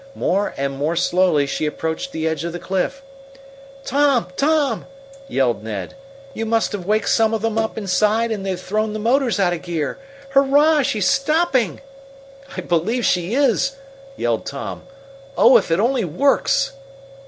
More and more slowly she approached the edge of the cliff. "Tom! Tom!" yelled Ned. "You must have waked some of them up inside and they've thrown the motors out of gear! Hurrah! She's stopping!" "I believe she is!" yelled Tom. "Oh, if it only works!"